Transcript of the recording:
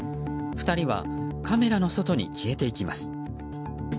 ２人はカメラの外に消えていきます。